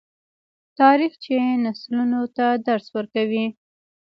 تاریخ چې نسلونو ته درس ورکوي.